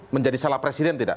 menjadi salah presiden tidak